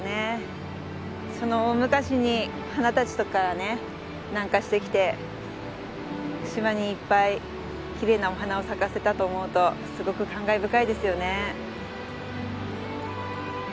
その大昔に花たちとかがね南下してきて島にいっぱいきれいなお花を咲かせたと思うとすごく感慨深いですよね。